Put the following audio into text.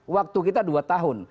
waktu kita dua tahun